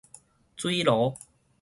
水蔞